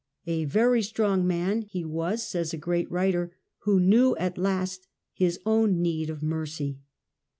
"A very strong man," he was, says a great writer, " who knew at last his own need of mercy."